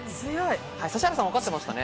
指原さん分かってましたね。